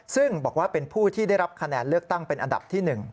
ซึ่งบอกว่าเป็นผู้ที่ได้รับคะแนนเลือกตั้งเป็นอันดับที่๑